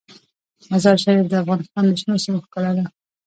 مزارشریف د افغانستان د شنو سیمو ښکلا ده.